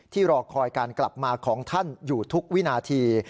รอคอยการกลับมาของท่านอยู่ทุกวินาที